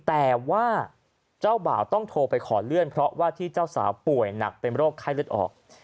แต่ว่าเจ้าเบาต้องโทรไปขอเลื่อนเพราะเจ้าสาวป่วยหนักเต็มโรคค่าเลือดออก